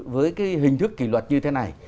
với cái hình thức kỳ luật như thế này